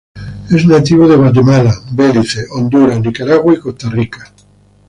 Es nativo de Guatemala, Belice, Honduras, Nicaragua y Costa Rica.